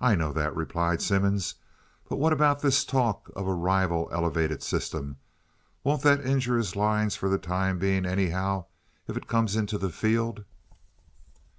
"I know that," replied Simmons. "But what about this talk of a rival elevated system? Won't that injure his lines for the time being, anyhow, if it comes into the field?"